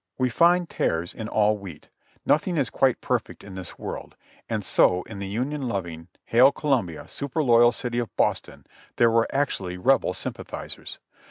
We find tares in all wheat; nothing is quite perfect in this world, and so in the Union loving, Hail Columbia, super loyal city of Boston there were actually Rebel sympathizers.